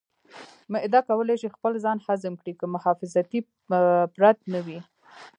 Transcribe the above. معده کولی شي خپل ځان هضم کړي که محافظتي پرت نه وي.